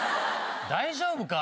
大丈夫か？